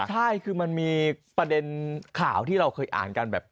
ใช่คือมันมีประเด็นข่าวที่เราเคยอ่านกันแบบ